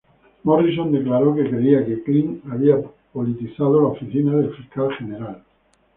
Morrison declaró que creía que Kline había politizado la oficina del fiscal general.